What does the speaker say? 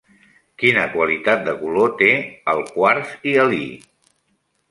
Quina qualitat de color té el quars hialí?